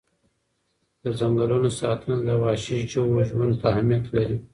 د ځنګلونو ساتنه د وحشي ژوو ژوند ته اهمیت لري.